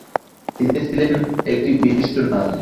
তিনি ছিলেন একটি বিশিষ্ট নাম।